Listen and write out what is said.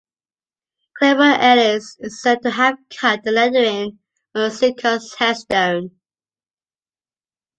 Clifford Ellis is said to have cut the lettering on Sickert's headstone.